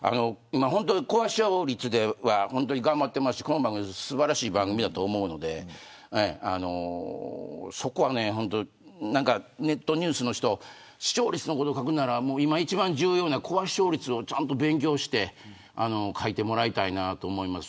コア視聴率では頑張ってますし素晴らしい番組だと思うのでそこは、ネットニュースの人視聴率のことを書くなら今、一番重要なコア視聴率を勉強して書いてもらいたいなと思います。